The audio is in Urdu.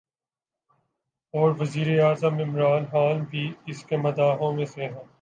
اور وزیراعظم عمران خان بھی اس کے مداحوں میں سے ہیں